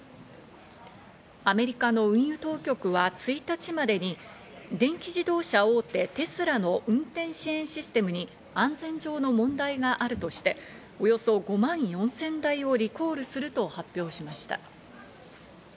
アメリカの運輸当局は１日までに、電気自動車大手テスラの運転支援システムに安全上の問題があるとしておよそ５万４０００台をリコールすると発表しました。